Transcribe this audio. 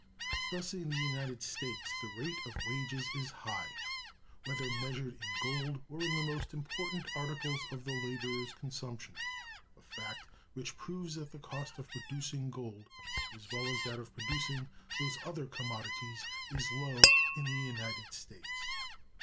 (366) ... Thus in the United States the rate of wages is high, whether measured in gold or in the most important articles of the laborer's consumption—a fact which proves that the cost of producing gold, as well as that of producing those other commodities, is low in the United States....